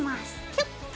キュッと。